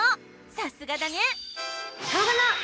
さすがだね！